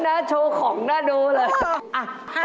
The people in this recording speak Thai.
ตัวนี้นะโชว์ของน่าดูเลย